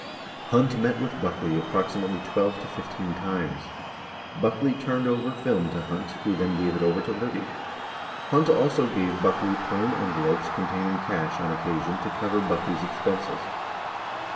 32 Hunt met with Buckley approximately twelve to fifteen times. Buckley turned over film to Hunt, who then gave it over to Liddy. Hunt also gave Buckley plain envelopes containing cash on occasion to cover Buckley's expenses.